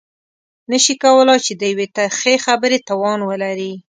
نه شي کولای چې د يوې ترخې خبرې توان ولري.